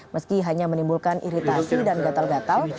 meski hanya menimbulkan iritasi dan gatal gatal